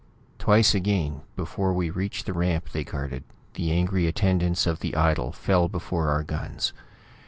Twice again, before we reached the ramp they guarded, the angry attendants of the idol fell before our guns.